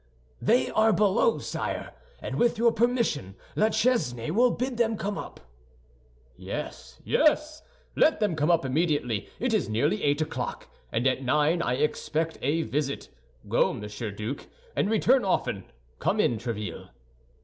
"They are below, sire, and with your permission La Chesnaye will bid them come up." "Yes, yes, let them come up immediately. It is nearly eight o'clock, and at nine I expect a visit. Go, Monsieur Duke, and return often. Come in, Tréville."